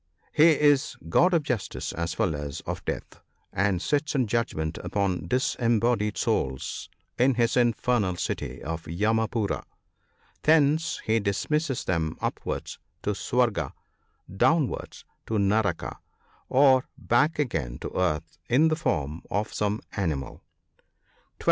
He is God of Justice as well as of Death, and sits in judgment upon disembodied souls in his infernal city of Yamapoora. Thence he dismisses them upwards to Swarga, downwards to Naraka, or back again to earth in the form of some animal. (12.)